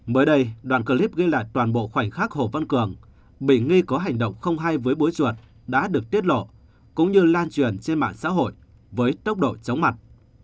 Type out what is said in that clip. bởi đây đoạn clip ghi lại toàn bộ khoảnh khắc hồ văn cường bị nghi có hành động không hay với bối ruột đã được tiết lộ cũng như lan truyền trên mạng xã hội với tốc độ chống mặt